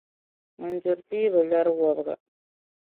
Ŋun duri tia bi lari wɔbiga.